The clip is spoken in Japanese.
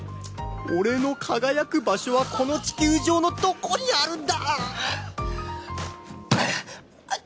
俺の輝く場所はこの地球上のどこにあるんだ！うっ！